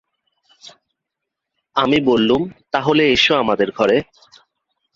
আমি বললুম, তা হলে এসো আমাদের ঘরে।